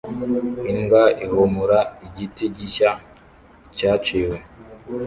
Imbwa ihumura igiti gishya cyaciwe